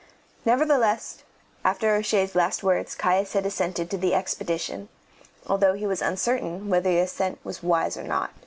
Nevertheless, after O'Shea's last words Caius had assented to the expedition, although he was uncertain whether the assent was wise or not.